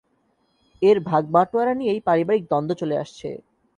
এর ভাগ বাঁটোয়ারা নিয়েই পারিবারিক দ্বন্দ্ব চলে আসছে।